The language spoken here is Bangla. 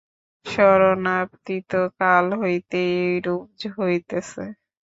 স্মরণাতীত কাল হইতেই এইরূপ হইতেছে।